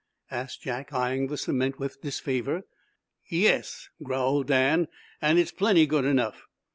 asked Jack, eyeing the cement with disfavor. "Yes," growled Dan, "and it's plenty good enough."